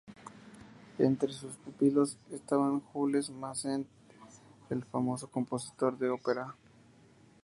Entre sus pupilos estaban Jules Massenet, el famoso compositor de ópera.